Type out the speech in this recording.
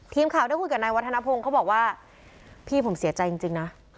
ทีมข่าวได้คุยกับนายวัฒนภงเขาบอกว่าพี่ผมเสียใจจริงนะ